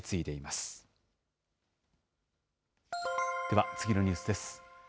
では次のニュースです。